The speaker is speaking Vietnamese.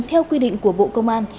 theo quy định của bộ công an